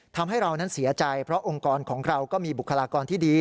ทำให้เรานั้นเสียใจเพราะองค์กรของเราก็มีบุคลากรที่ดี